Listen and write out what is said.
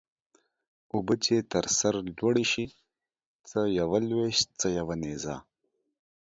اوبه چې تر سر لوړي سي څه يوه لويشت څه يو نيزه.